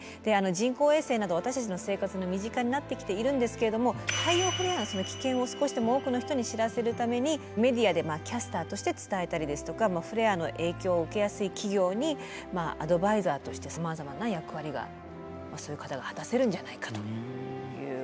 人工衛星など私たちの生活の身近になってきているんですけれども太陽フレアの危険を少しでも多くの人に知らせるためにメディアでキャスターとして伝えたりですとかフレアの影響を受けやすい企業にアドバイザーとしてさまざまな役割がそういう方が果たせるんじゃないかということなんですよね。